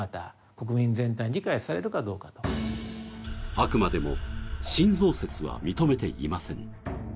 あくまでも新増設は認めていません。